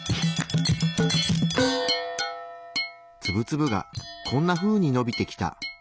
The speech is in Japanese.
ツブツブがこんなふうにのびてきた。